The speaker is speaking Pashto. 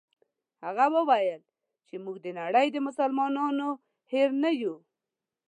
هغه وویل چې موږ د نړۍ د مسلمانانو هېر نه یو.